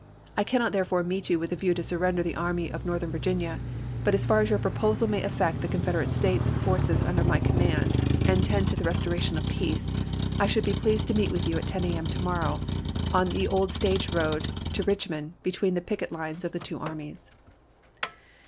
I cannot, therefore, meet you with a view to surrender the Army of Northern Vir ginia ; but as far as your proposal may affect the Con federate States forces under my command, and tend to the restoration of peace, I should be pleased to meet you at 10 a. m. to morrow, on the old stage road to Rich mond between the picket lines of the two armies.